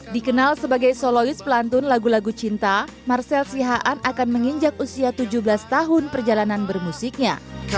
dikenal sebagai solois pelantun lagu lagu cinta marcel sihaan akan menginjak usia tujuh belas tahun perjalanan bermusiknya